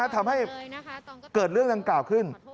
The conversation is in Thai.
ทำให้เกิดเรื่องดังกล่าวขึ้น